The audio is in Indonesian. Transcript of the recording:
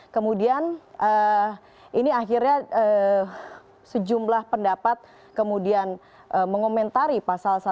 kemudian ini akhirnya sejumlah pendapat kemudian mengomentari pasal satu ratus delapan puluh